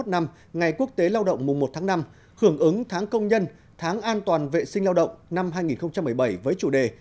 hai mươi năm năm ngày quốc tế lao động mùa một tháng năm hưởng ứng tháng công nhân tháng an toàn vệ sinh lao động năm hai nghìn một mươi bảy với chủ đề